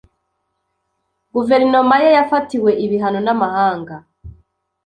guverinoma ye yafatiwe ibihano n'amahanga